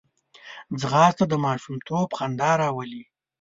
ځغاسته د ماشومتوب خندا راولي